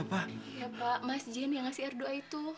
iya pak mas zen yang beri air doa itu